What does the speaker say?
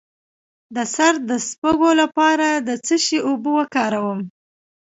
د سر د سپږو لپاره د څه شي اوبه وکاروم؟